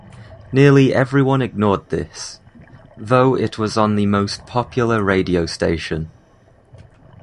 Nearly everyone ignored this, though it was on the most popular radio station.